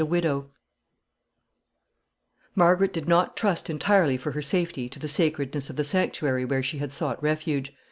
] Margaret did not trust entirely for her safety to the sacredness of the sanctuary where she had sought refuge.